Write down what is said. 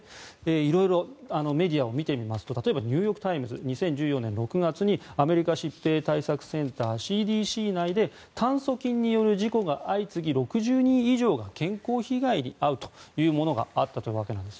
色々メディアを見てみますと例えば、ニューヨーク・タイムズ２０１４年６月にアメリカ疾病対策センター・ＣＤＣ内で炭疽菌による事故が相次ぎ６０人以上が健康被害に遭うというものがあったわけです。